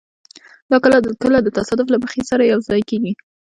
دا کله کله د تصادف له مخې سره یوځای کېږي.